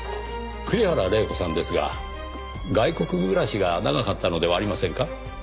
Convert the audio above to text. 栗原玲子さんですが外国暮らしが長かったのではありませんか？